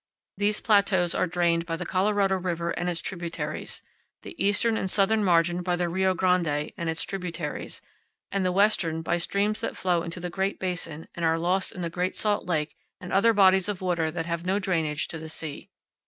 These plateaus are drained by the Colorado River and its tributaries; the eastern and powell canyons 9.jpg OUR MESSENGER. southern margin by the Rio Grande and its tributaries, and the western by streams that flow into the Great Basin and are lost in the Great Salt Lake and other bodies of water that have no drainage to the sea.